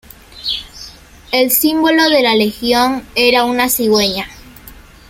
El símbolo de la legión era una cigüeña.